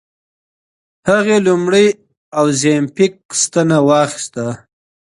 هغې لومړۍ اوزیمپیک ستنه واخیسته.